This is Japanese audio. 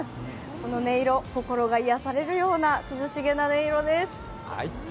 この音色、心が癒やされるような涼しげな音色です。